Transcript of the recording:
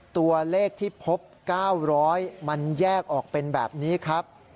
ตัวเลขที่พบ๙๐๐มันแยกออกเป็นแบบนี้ครับ